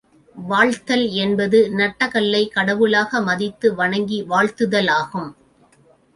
வாழ்த்தல் என்பது, நட்ட கல்லைக் கடவுளாக மதித்து வணங்கி வாழ்த்துதல் ஆகும்.